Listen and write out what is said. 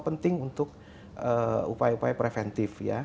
penting untuk upaya upaya preventif ya